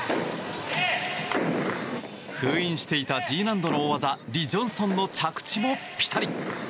封印していた、Ｇ難度の大技リ・ジョンソンの着地もピタリ。